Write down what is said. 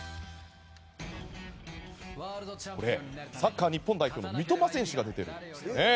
これ、サッカー日本代表三笘選手が出ているんですね。